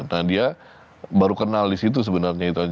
nah dia baru kenal di situ sebenarnya